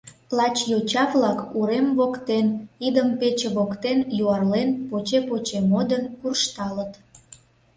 Лач йоча-влак, урем воктен, идым пече воктен юарлен, поче-поче модын куржталыт.